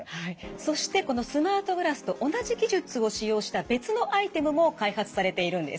そしてこのスマートグラスと同じ技術を使用した別のアイテムも開発されているんです。